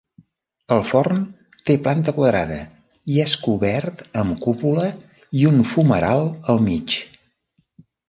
El forn té planta quadrada i és cobert amb cúpula i un fumeral al mig.